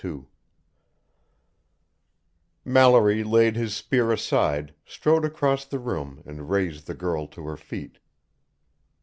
II Mallory laid his spear aside, strode across the room, and raised the girl to her feet.